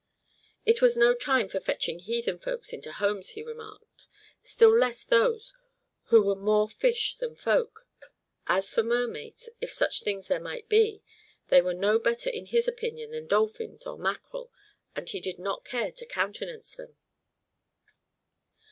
It was no time for fetching heathen folk into homes, he remarked, still less those who were more fish than folk; as for mermaids, if such things there might be, they were no better in his opinion than dolphins or mackerel, and he did not care to countenance them.